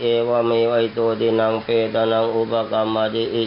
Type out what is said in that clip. เอวามีวัยต่อดินังเพลแต่นังอุปกรรมอเตียน